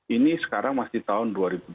ini sekarang masih tahun dua ribu dua puluh